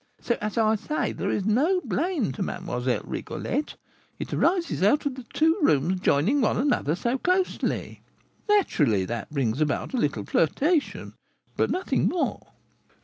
So, as I say, there is no blame to Mlle. Rigolette; it arises out of the two rooms joining one another so closely, naturally that brings about a little flirtation, but nothing more."